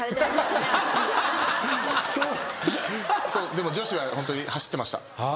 でも女子はホントに走ってました。